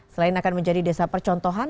selain akan menjadi desa percontohan